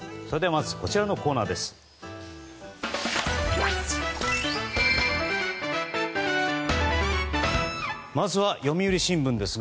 まずはこちらのコーナーからです。